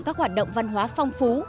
các hoạt động văn hóa phong phú